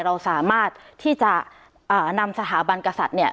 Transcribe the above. เราสามารถที่จะนำสถาบันกษัตริย์เนี่ย